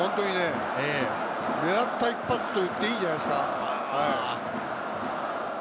本当に狙った一発といっていいんじゃないですか。